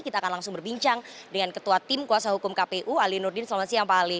kita akan langsung berbincang dengan ketua tim kuasa hukum kpu ali nurdin selamat siang pak ali